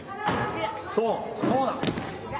そうそうだ！